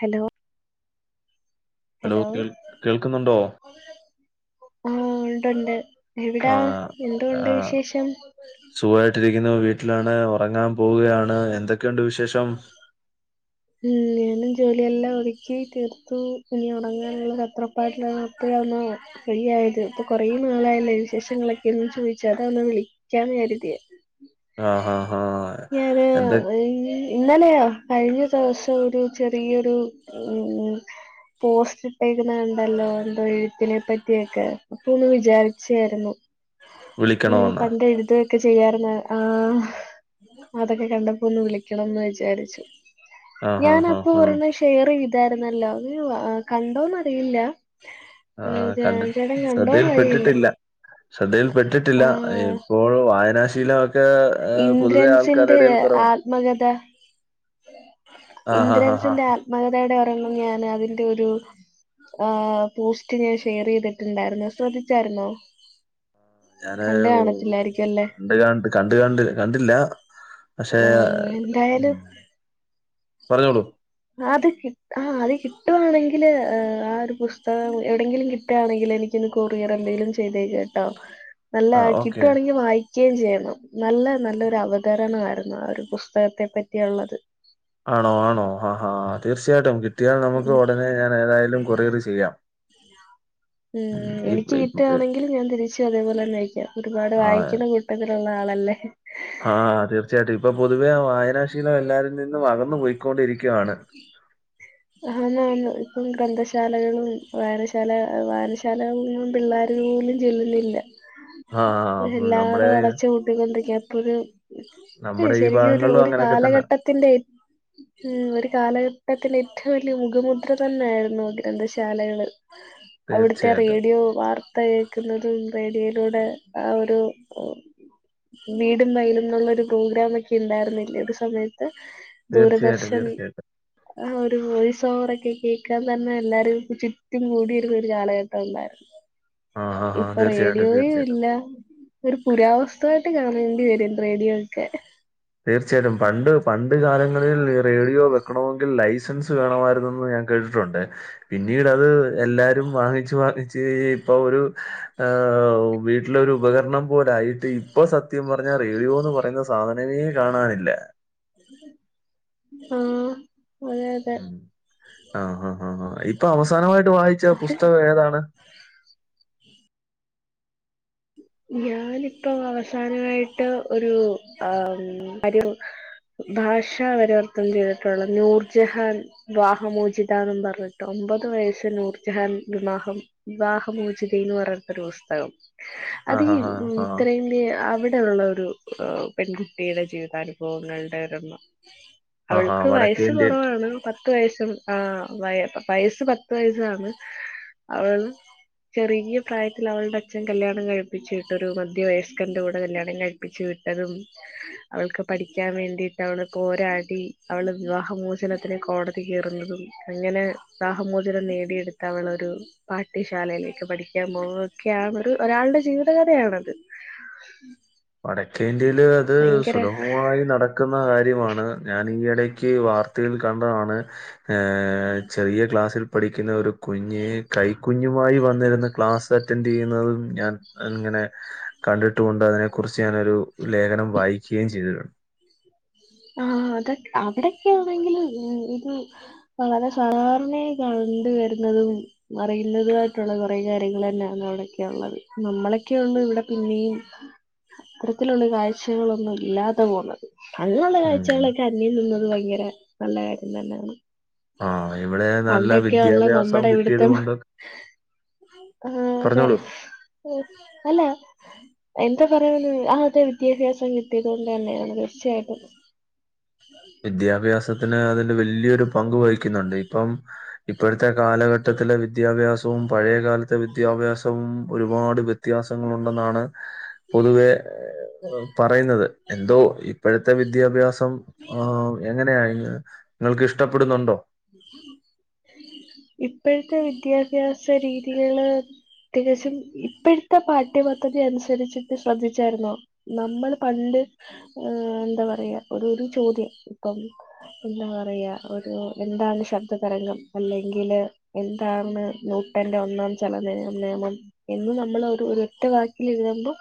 Hello hello കേൾ കേൾക്കുന്നുണ്ടോ ആ ഉണ്ട്ണ്ട് എവിടാ എന്തൊണ്ട് വിശേഷം സുഖമായിട്ടിരിക്കുന്നു വീട്ടിലാണ് ഉറങ്ങാൻ പോവുകയാണ് എന്തൊക്കെയുണ്ട് വിശേഷം ഉ ഞാനും ജോലിയെല്ലാം ഒതുക്കി തീർത്തു ഇനി ഉറങ്ങാനുള്ള ത ത്രപ്പാടില [unintelligible] ശരിയായത് ഇപ്പൊ കൊറേ നാളായല്ല വിശേഷങ്ങളൊക്കെ ഒന്ന് ചോദിച്ചാ അത അവന്ന് വിളിക്കാന്ന് കരുതിയ ആഹ് ആഹ് ആഹ് ഞാന എന്തെ ഇന്നാലെയോ കഴിഞ്ഞ സ ഒരു ചെറിയൊരു ഉ പോസ്റ്റ് ഇട്ടേക്കുന്നണ്ടല്ലോ എന്തോ എഴുപ്പിനെ പറ്റിയൊക്കെ അപ്പൊ ഒന്ന് വിചാരിച്ചായിരുന്നു ഏ വിളിക്കണോന്നാ? പണ്ട എഴത് ക്കെ ചെയ്യാുന്ന ആ അതൊക്കെ കണ്ടപ്പോ ഒന്ന് വിളിക്കണംന്ന് വിചാരിച്ചു ആഹ് ഞാൻ ആഹ് അപ്പൊ ആഹ് ഒരു ആഹ് ഷെയർ ചെയ്തായിരുന്നല്ലോ അ കണ്ടോന്ന്റിയില്ല ആഹ കണ്ടി ശ്രദ്ധയിൽ അറിയില്ല പെട്ടിട്ടില്ല ശ്രദ്ധയിൽ പെട്ടിട്ടില്ല ആഹ് ഇപ്പോൾ വായനാശീലൊക്കെ ഏ പൊതുവേ ഇന്ദ്രൻസിന്റെ ആൾക്കാരുടയിൽ കുറവാണ് ആത്മകഥ ആഹ് ആഹ് ആഹ് ഇന്ദ്രൻസിന്റെ ആഹ് ആത്മകഥയുടെ ഒരെണ്ണം ഞാന് അതിന്റെ ഒരു ആഹ് പോസ്റ്റ് ഞാൻ ഷെയറീത്ട്ട്ണ്ടായിരുന്നു ശ്രദ്ധിച്ചായിരുന്നോ കണ്ട് കാണത്തില്ലായിരിക്കും അല്ലേ ണ്ട് കണ്ട് കണ്ട് കണ്ട് കണ്ടില്ല പക്ഷേ ആഹ് എന്തായാലും പറഞ്ഞോളൂ അത് കിട്ട ആഹ് അത് കിട്ടുവാണെങ്കില് ആ ഒരു പുസ്തകം എവിടെങ്കിലും കിട്ട കിട്ടാണെങ്കില് എനിക്കൊന്ന് കൊറിയർ എന്തെങ്കിലും ചെയ്തേര്ട്ടോ നല്ല ആഹ് ഓക്കെ കിട്ടുവാണെങ്കിൽ വായി ക്കേം ചെയ്യണം നല്ല നല്ലൊരു അവതരണായിരുന്നു ആ ഒരു പുസ്തകത്തെ പറ്റിയുള്ളത് ആണോ ആണോ ആഹാ തീർച്ചയായിട്ടും കിട്ടിയാൽ നമുക്ക് ഉം ഉടനെ ഞാൻ ഏതായാലും കൊറിയർ ചെയ്യാം ഉം ഇപ് എനിക്ക് ഇപ് ഇ കിട്ടാണെങ്കിൽ ഞൻ തിരിച്ചും അതേപോലെന്നെ അയക്കാം ഒരുപാട് ആ വായിക്കുന്ന കൂ ട്ടത്തിലുള്ള ആളല്ലേ ആഹ് തീർച്ചയായിട്ടും ഇപ്പൊ പൊതുവേ വായനാശീലം എല്ലാരിൽ നിന്നും അകന്നു പോയിക്കൊണ്ടിരിക്കാണ് ആ [unintelligible] ഇപ്പം ഗ്രന്ഥശാലകളും വായനശാല ഏ വായനശാലകും പിള്ളേ രുപോലും ചെല്ലുന്നില്ല ആ ഉം, നമ്മുടെ എല്ലാടും അടച്ച് പൂട്ടിക്കൊണ്ടിരിക്കാ എപ്പഴും ഇതേയ് നമ്മുടെ ഈ ശരിക്കും ഒരു ഭാഗങ്ങളിലും ഒരു അങ്ങനെയൊക്കെ തന്നാ. കാലഘട്ട ത്തിന്റേം ഉം ഒരു കാലഘട്ടത്തിെലേം ഏറ്റവും വലിയ മുഖമുദ്ര തന്നെയായിരുന്നു ഗ്രന്ഥശാലകള് അവിടുത്തെ തീർച്ചയായിട്ടും. റേഡിയോ വാർ ത്ത കേക്ക്ന്നതും റേഡിയോയിലൂടെ ആ ഒരു വീടും വയലും ന്നുള്ളൊരു പ്രോഗ്രാമക്കെ ഇണ്ടായിരുന്നില്ലേ ഒരു സമയത്ത് തീർച്ചയായിട്ടും, ദൂരദർശൻ തീർച്ചയായിട്ടും. ല് [unintelligible] സോറൊക്കെ കേക്കാൻ തന്നെ എല്ലാരും ചുറ്റും കൂടിരുന്ന ഒരു കാലഘട്ടം ഉണ്ടായിരുന്നു ആ, ആ, ആ. ഇപ്പൊ തീർച്ചയായിട്ടും, റേഡിയോയും തീർച്ചയായിട്ടും. ഇല്ല പ്പൊരു പുരാവസ്തു ആയിട്ട് കാണേണ്ടി വരും റേഡിയോ ഒക്കേ തീർച്ചായിട്ടും പണ്ട് പണ്ട് കാലങ്ങളിൽ റേഡിയോ വെക്കണമെങ്കിൽ ലൈസൻസ് വേണമായിരുന്നെന്ന് ഞാൻ കേട്ടിട്ടുണ്ട് പിന്നീട് അത് എല്ലാരും വാങ്ങിച്ചു വാങ്ങി ച്ച് ഇപ്പ ഒരു വീട്ടിലൊരു ഉപകരണം പോലായിട്ട് ഇപ്പൊ സത്യം പ റഞ്ഞ റേഡിയോന്ന് പറയുന്ന സാധനമേ കാണാനില്ല ആഹ് അതെ അതെ ആഹ് ആഹ് ആഹ് ഇപ്പൊ അവസാനമായിട്ട് വായിച്ച അത് പുസ്തകം ഏതാണ് ഞാനിപ്പോ അവസാനായിട്ട് ഒരു ആഹ് ഒരു ഭാഷാ പരിവർത്തനം ചെയ്തിട്ടുള്ള നൂർജഹാൻ വിവാഹമോചിതാന്നും പറഞ്ഞിട്ട് ഒമ്പത് വയസ്സ് നൂർജഹാൻ വിവാഹം വിവാഹമോചിതേന്ന് പറഞ്ഞ്ട്ടൊരു പുസ്തകം അത് ഈ ആഹാഹാ. ആഹ്. ഉം ആഹ് ഉത്തരേന്ത്യ അവിടെ ഉള്ളൊരു പെൺകുട്ടിയുടെ ജീവിതാനുഭവങ്ങളുടെ ഒരെണ്ണം ആഹ്. ആഹാ. അവൾക്ക് വയസ്സ് വടക്കേന്ത്യൻ കൊറവാണ് പ ത്ത് വയസ്സും ആ വയ വയസ്സ് പത്ത് വയസ്സാണ് അവള് ചെറിയ്യ പ്രായത്തിൽ അവള്ടെ അച്ഛൻ കല്ല്യാണം കഴി പ്പിച്ചു വിട്ടൊരു മധ്യവയസ്കന്റെ കൂടെ കല്ല്യാണം കഴപ്പിച്ച് വിട്ടതും അവൾക്ക് പഠിക്കാൻ വേണ്ടിയിട്ട് അവൾ പോരാടി അവള് വിവാഹമോചനത്തിന് കോടതി കേറുന്നതും അങ്ങനെ വിവാഹമോചനം നേടിയെടുത്ത അവളൊരു പാഠ്യശാലയിലേക്ക് പഠിക്കാൻ പോവൊക്കെയാണ് ഒരു ഒരാളുടെ ജീവി ത കഥയാണത്. വടക്കേന്ത്യയില് അത് സുലഭഭമായി നട ക്കുന്ന കാര്യമാണ് ഞാൻ ഈയിടേക്ക് വാർത്തയിൽ കണ്ടതാണ്. ഏ ചെറിയ ക്ലാസ്സിൽ പഠിക്കുന്ന ഒരു കുഞ്ഞ് കൈക്കുഞ്ഞുമായി വന്നിരുന്ന ക്ലാസ് അറ്റൻഡ് ചെയ്യുന്നതും ഞാൻ ഇങ്ങനേ കണ്ടിട്ടുമുണ്ട്. അതിനെ കുറിച്ച് ഞാനൊരു ലേഖനം വായിക്കയും ചെയ്തിട്ടുണ്ട്. ആഹ് അതൊ അവിടെക്കെയാണെങ്കില് ഈ ഇത് വളരെ സാധാരണയായി കണ്ട് വരുന്നതും. അറിയിന്നതുവായിട്ടുള്ള കൊറേ കാര്യങ്ങളന്നാ അവിടൊക്കെ ഉളളത്. നമ്മളെക്കെയൊണ്ട് ഇവടെ പിന്നെയും അത്തരത്തിലുള്ള കാഴ്ചകളൊന്നും ഇല്ലാതെ പോകുന്നത്. അങ്ങനൊള്ള ഉം. കാഴ്ചകളൊക്കെ അന്യം നിന്നത് ഭയങ്കര നല്ല കാര്യം തന്നാണ് ആഹ് ഇവിടെ നല്ല പണ്ടൊക്കെയൊള്ള വിദ്യാഭ്യാസം നമ്മടെ ഇവിടത്തെ കിട്ടിയത് മ കൊണ്ട് ആഹ് അതെ പറഞ്ഞോളൂ. അല്ലേ എന്താ പറയാൻ വന്നത്. ആഹ് അതെ വിദ്യാഭ്യാസം കിട്ടിയത് കൊണ്ട് തന്നെയാണ് തീർച്ചയായിട്ടും വിദ്യാഭ്യാസത്തിന് അതിന്റെ വലിയൊരു പങ്ക് വഹിക്കുന്നുണ്ട് ഇപ്പം ഇപ്പോഴത്തെ കാലഘട്ടത്തിലെ വിദ്യാഭ്യാസവും പഴയകാലത്തെ വിദ്യാഭ്യാസവും ഒരുപാട് വ്യത് ത്യാസങ്ങളൊണ്ടെന്നാണ് പൊതുവേ ഏഹ് ഏഹ് ആഹ് പറയുന്നത് എന്തോ ഇപ്പഴത്തെ വിദ്യാഭ്യാസം ആഹ് എങ്ങനെയാ നിങ്ങൾക്ക് ഇഷ്ടപ്പെടുന്നുണ്ടോ? ഇപ്പഴത്തെ വിദ്യാഭ്യാസ രീതികള് തികച്ചും ഇപ്പഴത്തെ പാഠ്യപദ്ധതി അനുസരിച്ചിട്ട് ശ്രദ്ധിച്ചായിരുന്നോ? നമ്മള് പണ്ട് അ് എന്താ പറയാ ഒരു ഒരു ചോദ്യം ഇപ്പം എന്താ പറയാ ഒരു എന്താണ് ശബ്ദ തരംഗം അല്ലെങ്കില് എന്താണ് ന്യൂട്ടൻ്റെ ഒന്നാം ചലന നിയമം എന്ന് നമ്മള് ഒരു ഒറ്റ വാക്കിലെഴുതുമ്പം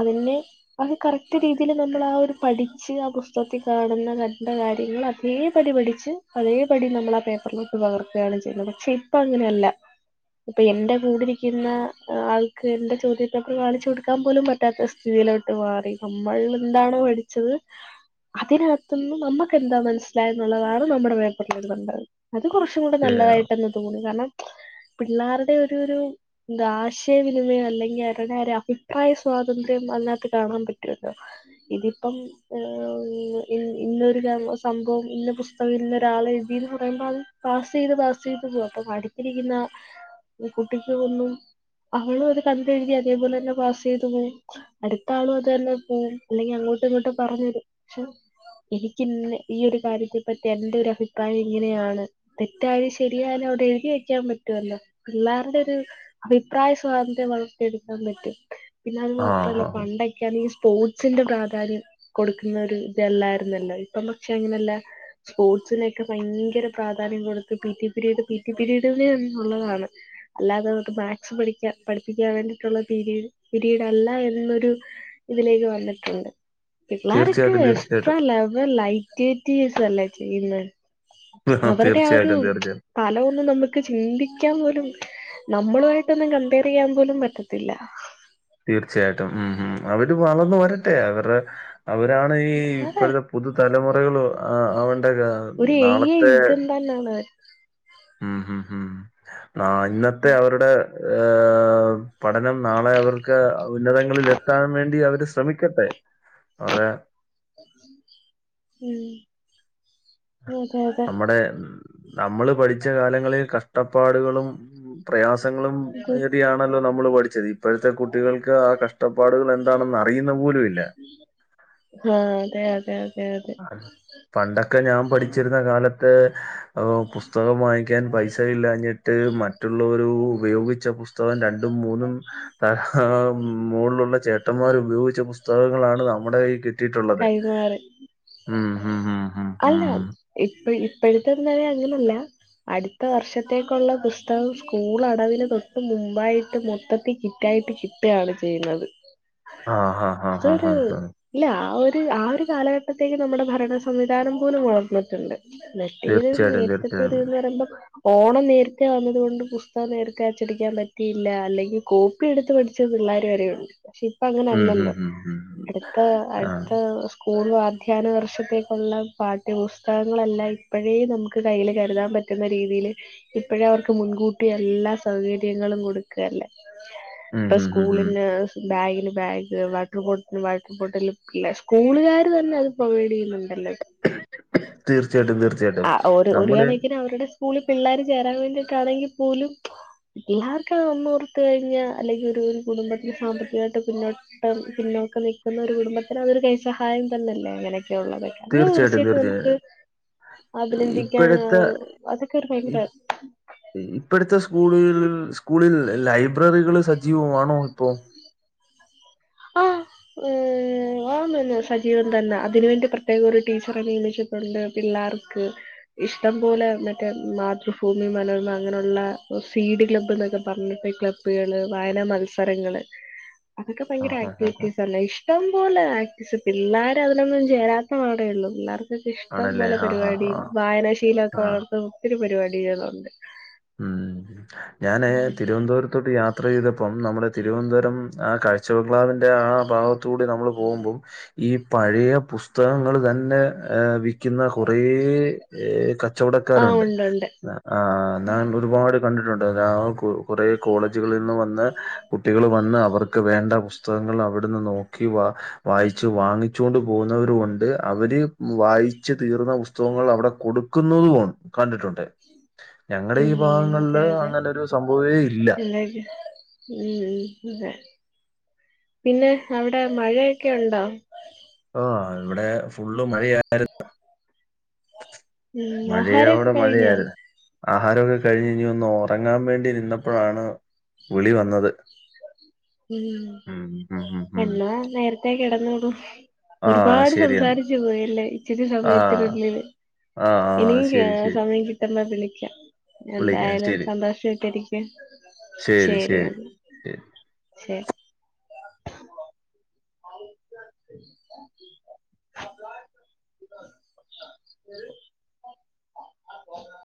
അതിനെ അത് കറക്റ്റ് രീതീല് നമ്മളാ ഒരു പഠിച്ച് ആ പുസ്തകത്തി കാണുന്ന കണ്ട കാര്യങ്ങള തേ പടി പഠിച്ച് അതേപടി നമ്മളാ പേപ്പറിലോട്ട് പകർത്തെയാണ് ചെയ്യുന്നത് പക്ഷെ ഇപ്പ അങ്ങനെയല്ല ഇപ്പോ എന്റെ കൂടിരിക്കുന്ന ആൾക്ക് എന്റെ ചോദ്യപ്പേപ്പർ കാണിച്ച് കൊടുക്കാൻ പോലും പറ്റാത്ത സ് സ്ഥിതീലോട്ട് മാറി നമ്മൾ എന്താണ് പഠിച്ചത് അതിനകത്തുന്ന് നമ്മക്കെന്താ മനസ്സിലായേന്നുള്ളതാണ് നമ്മടെ [unintelligible] കണ്ടത് അത് കൊറച്ചും കൂടെ ഏഹ് നല്ലതായിട്ടന്നെ തോന്നി കാരണം പിള്ളാരുടെ ഒരു ഒരു എന്താ ആശയവിനിമയം അല്ലെങ്കി അവരുടെ ഒരു അഭിപ്രായ സ്വാതന്ത്ര്യം അതിനകത്ത് കാണാൻ പറ്റുവല്ലോ. ഇതിപ്പം ഏഹ് ഓ ഇന്ന് ഇനൊരു സംഭവം ഇന്ന പുസ് തകം ഇന്നൊരാള് എഴുതീന്ന് പറയുമ്പ അത് പാസ് ചെയ്ത് പാസ് ചെയ്ത് പോവും അപ്പൊ അടുത്തിരിക്കുന്ന കുട്ടിക്ക് ഒന്നും അവളും അത് കണ്ടെഴുതി അതേപോലെന്നെ പാസ് ചെയ്തു പോവും. അടുത്താളും അത് തന്ന പോവും അല്ലെങ്കി അങ്ങോട്ടും ഇങ്ങോട്ടും പറഞ്ഞരും പക്ഷെ എനിക്കിന്ന ഈ ഒരു കാര്യത്തെ പറ്റി എന്റെ ഒരു അഭിപ്രായം ഇങ്ങനെയാണ് തെറ്റായാലും ശരിയായാലും അവിടെ എഴുതി വെക്കാൻ പറ്റുവല്ലോ പിള്ളാരുടെ ഒരു അഭിപ്രായ സ്വാതന്ത്ര്യം വളർത്തിയെടുക്കാൻ പറ്റും പിന്നെ അത് ആഹ് മാത്രല്ല ഹാ ഹാ പണ്ടൊക്കെയാണെങ്കി സ് സ്പോട്സിന്റെ പ്രാധാന്യം കൊടുക്കുന്ന ഒരു ഇതല്ലായിരുന്നല്ലോ ഇപ്പം പക്ഷെ അങ്ങനല്ല സ്പോർട്സിനെക്കെ ഭയങ്കര പ്രാധാന്യം കൊടുത്ത് P T period P T പിരീഡിനെന്നെ ഒള്ളതാണ് അല്ലാതെ അത് മാത്സ് പഠിക്കാൻ പഠിപ്പിക്കാൻ വേണ്ടീട്ടുള്ള പീരീഡ് പിരീഡല്ല എന്നൊരു ഇതിലേക്ക് വന്നിട്ടുണ്ട്. പിള്ളാരൊക്കെ തീർച്ചയായിട്ടും എക്സ്ട്രാ തീർച്ചയായിട്ടും ലെവ ലൈറ്റിവിറ്റീസല്ലേ ചെയ്യുന്നേ. ആ, അവരടെ ആ ഒരു തീർച്ചയായിട്ടും തീർച്ചയായിട്ടും തല ഒന്നും നമ്മക്ക് ചിന്തിക്ക്യാൻ പോലും നമ്മളുവായിട്ടൊന്നും കമ്പയറെയ്യാൻ പോലും പറ്റത്തില്ല. തീർച്ചയായിട്ടും ഉം ഉം അവര് വളർന്നു വരട്ടെ അവറെ അവരാണ് ഈ അതെ ഇപ്പഴ പുതു തലമുറകളു ആഹ് ആവണ്ടേക്ക [unintelligible] നാളത്തെ നല്ലാണ് ഉം ഉം ഉം ന്നാ ഇന്നത്തെ അവരുടെ ഏ്ഹ് പഠനം നാളെയവർക്ക് ഉന്നതങ്ങളിലെത്താൻ വേണ്ടിയവര് ശ്രമിക്കട്ടെ അവരെ ഉം അതെ അതെ നമ്മടെ നമ്മള് പഠിച്ച കാലങ്ങളില് കഷ്ട്ടപ്പാട്കളും പ്രയാസങ്ങളും ഏന്തിയാണല്ലോ നമ്മള് പഠിച്ചതീ ഇപ്പഴത്തെ കുട്ടികൾക്ക് ആ കഷ്ടപ്പാടുകളെന്താണെന്നറിയ്ന്ന പോലുഇല്ല ആഹ് അതെയതെ അതെയതെ അഹ് പണ്ടൊക്കെ ഞാൻ പഠിച്ചിരുന്ന കാലത്ത് ഏ് പുസ്തകം വാങ്ങിക്കാൻ പൈസ ഇല്ലാഞ്ഞിട്ട് മറ്റ് മറ്റുള്ളോരൂ ഉപയോഗിച്ച പുസ്തകം രണ്ടും മൂന്നും ത [unintelligible] മോൾളുള്ള ചേട്ടന്മാരു ഉപയോഗിച്ച പുസ്തകങ്ങളാണ് നമ്മുടെ കയ്യീക് കൈമാറി ഹും ഹും ഹും അല്ല ഹും. ഇപ്പഴ് ഇപ്പെഴ്ത്തെന്നര അങ്ങനല്ല അട്ത്ത വർഷത്തേക്കുള്ള പുസ്തകം സ്കൂൾ അടവിന് തൊട്ട് മുമ്പായിട്ട് മൊത്തത്തി കിറ്റ് റ്റായിട്ട് കിട്ടാണ് ചെയ്യ്ന്നത് ആഹ് ഹാഹാഹാഹാഹ് ഇല്ല ആ ഒര് ആ ഒര് കാലഘട്ടത്തേക്ക് നമ്മുടെ ഭരണ സംവിധാനം പോലും വളർന്ന്ട്ട്ണ്ട് നറ്റേത് തീർച്ചയായിട്ടും നേര്ത്തതത് തീർച്ചയായും. ത്റയമ്പോ ഓണം നേരത്തെ വന്നത് കൊണ്ട് പുസ്തകം നേരത്തെ അച്ചടിക്കാൻ പറ്റിയില്ല അല്ലെങ്കി കോപ്പ് പ്പി എട്ത്ത് പഠിച്ച പിള്ളേര് വരെയുണ്ട് പക്ഷെ ഇപ്പ ഉം ഹും അങ്ങനെല്ലല്ലോ ഹും ഹും ഹും. ഏ് ആഹ്. അട്ത്ത അ് കൂളു അധ്യാന വർഷത്തേക്കുള്ള പാഠ്യപുസ്തകങ്ങളെല്ലാം ഇപ്പഴേ നമുക്ക് കയ്യിൽ കരുതാൻ പറ്റ് റ്റുന്ന രീതിയില് ഇപ്പഴെ അവർക്ക് മുൻകൂട്ടി എല്ലാ സൗകര്യങ്ങളും കൊടുക്ക് ക്കല്ലെ ഉം ഇപ്പ ഹും ഹും ഹും. സ്കൂളിന്ന് ബാഗിന് ബാഗ് വാട്ടർ ബോട്ടിന് വാട്ട് ബോട്ടിൽ ല്ലെ സ്കൂളുകാര് തന്നെ അത് പ്രൊവൈഡെയ്യ്ന്നുണ്ടല്ലോ തീർച്ചയായിട്ടും തീർച്ചയായിട്ടും. ആഹ് ഒരു നമ്മുടെ ഒരുകണക്കിന് അവരുടെ സ് സ്കൂളിൽ പിള്ളേര് ചേരാൻ വേണ്ടീട്ടാണെങ്കിൽ പോലും എല്ലാവർക്കും ഒന്ന്ഓർത്തു കഴിഞ്ഞാ അല്ലെങ്കി ഒരു കുടുംബത്തിന് സാമ്പത്തികായിട്ട് പിന്നോട്ട് ട്ട് പിന്നോക്കം നിൽക്കുന്ന ഒരു കുടുംബത്തിന് അതൊരു കൈസഹായം തന്നല്ലേ അങ്ങനെക്കെയുള്ളതൊക്കെ അങ്ങനെ തീർച്ചയായിട്ടും നമുക്ക് അഭിനന്ദിക്കാൻ ഇപ്പോഴത്തെ അതൊക്കെ ഒരു ഭയങ്കര ഇപ്പഴ്ത്തെ സ്കൂളുകളില് സ്കൂളിൽ ലൈബ്രറികൾ സജീവമാണോ ഇപ്പോ ആഹ് ഏ് ഓന്നന്നെ സജീവം തന്നെ അതിന് വേണ്ടി പ്രത്യേകം ഒരു ടീച്ചറെ നിയമിച്ചിട്ടുണ്ട് പിള്ളാർക്ക് ഇഷ്ട്ടം പോലെ മറ്റേ മാതൃഭൂമി മനോരമ അങ്ങനെഉള്ള സീഡ് ക്ലബ്ബ് ന്നൊക്കെ പറഞ്ഞിട്ട് ഈ ക്ലബ് ബ്ബ്കള് വായനാ മത്സരങ്ങള് അതൊക്കെ ഭയങ്കര ആഹ് ആഹ് ആഹ് ആക്ടിവിറ്റീസ് അല്ലെ ഷ് ഇഷ്ട്ടം പോലെ ആക്റ്റീസ് പിള്ളാരതിനൊന്നും ചേരാത്ത വാടെഒള്ളൂ പിള്ളേര്- ക്കെ ഇഷ്ടം ആണല്ലേ പോലെ ആഹ് ആഹ് പരിപാടി ആഹ് വായനാ ശീലം ഒക്കെ ആഹ് വളർത്ത്ണ ഒത്തിരി പരിപാടികളുണ്ട് ഉം ഞാന് തിരുവനന്തപുരത്തോട്ട് യാത് ത്രയ്തപ്പം നമ്മുടെ തിരുവന്തപുരം ആ കാഴ്ചബംഗ്ലാവിന്റെ ആ ഭാഗത്തൂടെ നമ്മള് പോകുമ്പോം ഈ പഴയ പുസ്തകങ്ങള് തന്നെ എ് വിറ്റ് ക്കുന്ന കാെറെ ഏ് ആഹ് കച്ചവടക്കാരുണ്ട് ഉണ്ട് ഉണ്ട് ന്നാ ആഹ് ന്നമ്മ്ള് ഒരുപാട് കണ്ടിട്ടുണ്ട് എല്ലാ ബുക്കുകളും കാെറെ കോളേജ്കളിൽ നിന്ന് വന്നെ കുട്ടികള് വന്ന് അവർക്ക് വേണ്ട പുസ്തകങ്ങള് അവിട് ന്ന് നോക്കി വാ വായിച്ച് വാങ്ങി ച്ചോണ്ട് പോകുന്നവരും ഉണ്ട് അവര് വായിച്ച് തീർന്ന പുസ്തകങ്ങൾ അവടെ കൊടുക്കുന്നതും ഒണ്ട് കണ്ടിട്ടുണ്ട് ഞങ്ങളെ ഈ ഉം ഭാഗങ്ങളില് അങ്ങനെ ഒരു സംഭവേ ഇല്ല ല്ലേ ഇല്ല ഉം അതെ പിന്നെ അവിടെ മഴയൊക്കെ ഉണ്ടോ? ആ് ഇവിടെ ഫുള്ള് മഴയ ഉം ആഹാരമൊക്കെ മഴയോടെ കഴിഞ്ഞോ മഴയായിരുന്നു. ആഹാരമൊക്കെ കഴിഞ്ഞ് ഇനി ഒന്ന് ഉറങ്ങാൻ വേണ്ടി നിന്നപ്പോഴാണ് വിളി വന്നത്. ഉം ഉം ഉം ഉം ഉം എന്നാ നേരത്തേ ക ഇടന്ന് വിടും ആ ഒരുപാട് ശരിയെന്നാ സംസാരിച്ച് പോയല്ലേ ഇച്ചിരി ആ സമയത്തിനുള്ളില്. ആ ആ ഇനി ശരി ശരി സമയം കിട്ടന്ന വിളിക്ക. വിളിക്കാം എന്തായാലും ശരി സന്തോഷട്ടരിക്കും ശരി എന്ന. ഉ ശെ ആ [unintelligible] ഉം [inaudible]